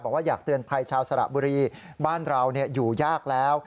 บอกว่าอยากเตือนภัยชาวสระบุรีบ้านเราอยู่ยากแล้ว